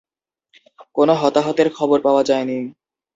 কোন হতাহতের খবর পাওয়া যায়নি।